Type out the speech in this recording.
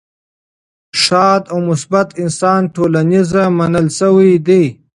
ښاد او مثبت انسان ټولنیز منل شوی دی.